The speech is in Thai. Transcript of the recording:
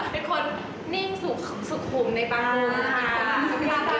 เป็นคนนิ่งสุขฮุมในปางฮุมค่ะ